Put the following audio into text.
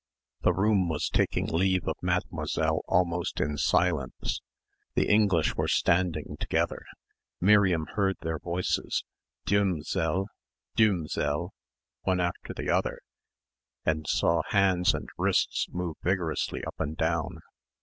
The room was taking leave of Mademoiselle almost in silence. The English were standing together. Miriam heard their voices. "'Dieu, m'selle, 'dieu, m'selle," one after the other and saw hands and wrists move vigorously up and down.